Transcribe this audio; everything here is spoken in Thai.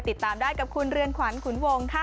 ติดตามได้กับคุณเรือนขวัญขุนวงค่ะ